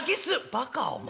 「バカお前。